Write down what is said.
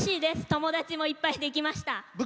友達もいっぱいできました。